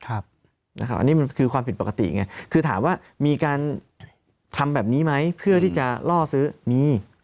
อันนี้มันคือความผิดปกติไงคือถามว่ามีการทำแบบนี้ไหมเพื่อที่จะล่อซื้อมี